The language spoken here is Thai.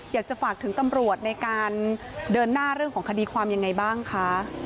อยากจะฝากถึงตำรวจในการเดินหน้าเรื่องของคดีความยังไงบ้างคะ